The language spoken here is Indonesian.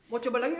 mau coba lagi gak